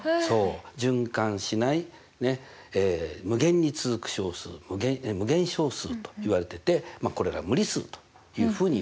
循環しない無限に続く小数無限小数といわれててまあこれが無理数というふうにいうわけですね。